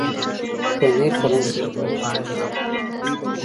پنېر فرانسوي پنېر خاص شهرت لري.